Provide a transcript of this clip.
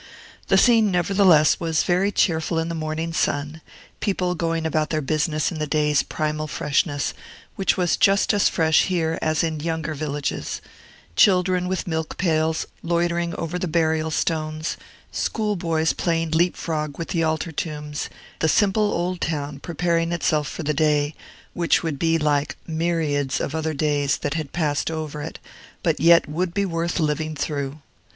The scene, nevertheless, was very cheerful in the morning sun: people going about their business in the day's primal freshness, which was just as fresh here as in younger villages; children with milk pails, loitering over the burial stones; school boys playing leap frog with the altar tombs; the simple old town preparing itself for the day, which would be like myriads of other days that had passed over it, but yet would be worth living through.